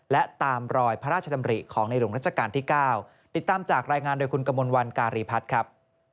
และตามรอยพระราชดำริของในหลวงรัชกาลที่๙ติดตามจากรายงานโดยคุณกมลวันการีพัฒน์ครับ